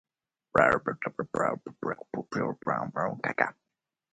Las bajas españolas fueron de seis heridos y tres contusos.